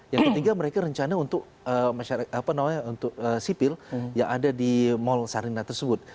yang ketiga mereka rencana untuk sipil yang ada di mall sarina tersebut